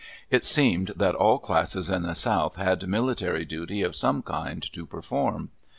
It seemed that all classes in the south had military duty of some kind to perform.